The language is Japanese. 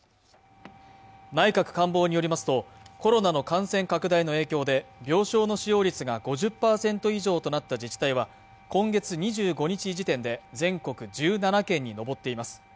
内閣官房によりますとコロナの感染拡大の影響で病床の使用率が５０％以上となった自治体は今月２５日時点で全国１７県に上っています